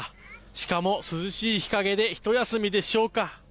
シカも涼しい日陰でひと休みでしょうか。